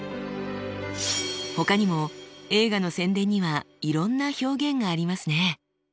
ほかにも映画の宣伝にはいろんな表現がありますね。